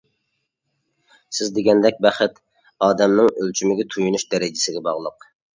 سىز دېگەندەك بەخت ئادەمنىڭ ئۆلچىمىگە، تويۇنۇش دەرىجىسىگە باغلىق.